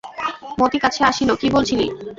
মতি কাছে আসিল কী বলছিলি?